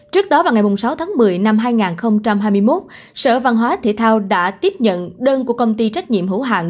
trước đó vào ngày sáu tháng một mươi năm hai nghìn hai mươi một sở văn hóa thể thao đã tiếp nhận đơn của công ty trách nhiệm hữu hạng